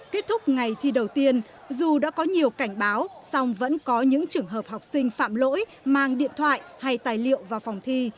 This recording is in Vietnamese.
kết thúc ngày thi đầu tiên dù đã có nhiều cảnh báo song vẫn có những trường hợp học sinh phạm lỗi mang điện thoại hay tài liệu vào phòng thi